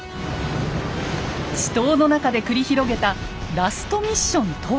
死闘の中で繰り広げたラストミッションとは。